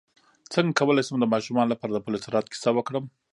څنګه کولی شم د ماشومانو لپاره د پل صراط کیسه وکړم